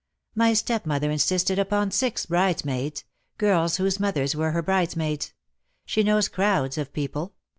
' "My stepmother insisted upon six brides maids — girls whose mothers were her brides maids. She knows crowds of people.